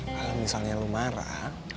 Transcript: kalau misalnya lo marah